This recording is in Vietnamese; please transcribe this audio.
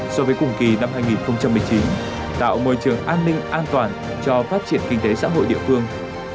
so với cùng kỳ năm hai nghìn một mươi chín tạo môi trường an ninh an toàn cho phát triển kinh tế xã hội địa phương